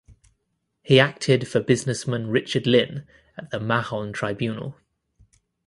He acted for businessman Richard Lynn at the Mahon Tribunal.